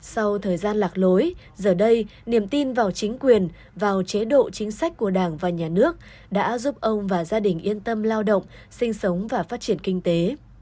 sau thời gian lạc lối giờ đây niềm tin vào chính quyền vào chế độ chính sách của đảng và nhà nước đã giúp ông và gia đình yên tâm lao động sinh sống và phát triển kinh tế